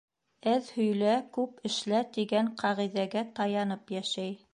«Әҙ һөйлә, күп эшлә!» тигән ҡағиҙәгә таянып йәшәй.